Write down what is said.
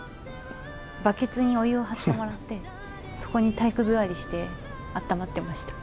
バケツにお湯を張ってもらって、そこに体育座りしてあったまってました。